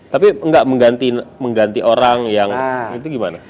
tapi nggak mengganti orang yang itu gimana